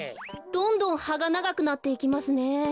どんどんはがながくなっていきますねえ。